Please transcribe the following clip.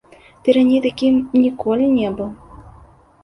Ты раней такім ніколі не быў.